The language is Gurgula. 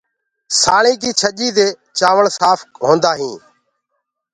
سآݪينٚ ڪي ڇڃي دي چآوݪ سآڦ هوندآ هينٚ۔